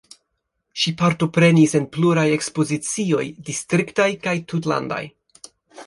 Ŝi partoprenis en pluraj ekspozicioj distriktaj kaj tutlandaj.